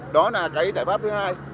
đó là cái giải pháp thứ hai